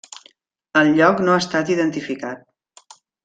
El lloc no ha estat identificat.